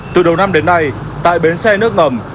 từ đầu năm đến nay tại bến xe nước ngầm